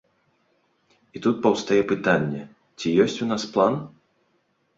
І тут паўстае пытанне, ці ёсць у нас план?